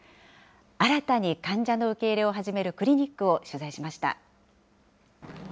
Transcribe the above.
新たに患者の受け入れを始めるクリニックを取材しました。